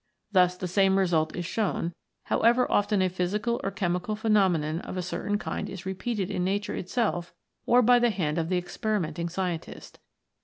Thus the same result is shown, however often a physical or chemical phenomenon of a certain kind is repeated in Nature itself or by the hand of the experiment ing scientist.